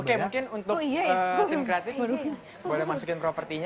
oke mungkin untuk tim kreatif boleh masukin propertinya